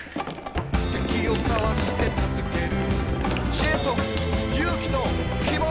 「敵をかわして助ける」「知恵と勇気と希望と」